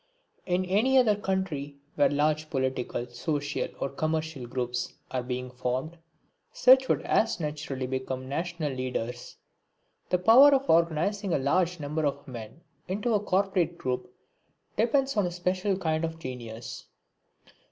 In any other country, where large political, social or commercial groups are being formed, such would as naturally become national leaders. The power of organising a large number of men into a corporate group depends on a special kind of genius.